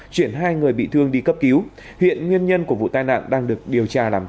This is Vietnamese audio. chuyển hai người bị thương đi cấp cứu hiện nguyên nhân của vụ tai nạn đang được điều tra làm rõ